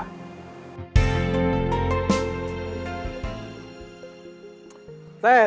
tidak ada yang bisa mengingatkan